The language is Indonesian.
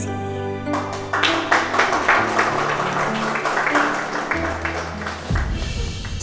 setelah bapak melihat keadaan hotel kami